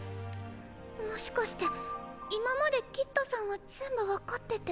もしかして今までキッドさんは全部分かってて。